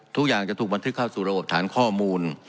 ทุกอย่างจะถูกบันทึกเข้าสู่ระบบฐานข้อมูล